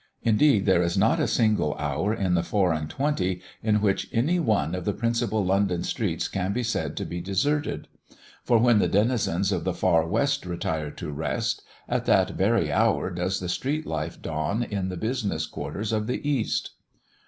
Indeed there is not a single hour in the four and twenty, in which any one of the principal London streets can be said to be deserted. For when the denizens of the far West retire to rest, at that very hour does the street life dawn in the business quarters of the East.